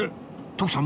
徳さん